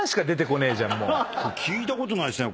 聞いたことないですね